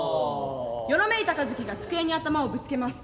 よろめいた和翔が机に頭をぶつけます。